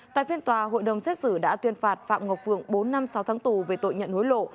tại phiên tòa hội đồng xét xử đã tuyên phạt phạm ngọc phượng bốn năm sáu tháng tù về tội nhận hối lộ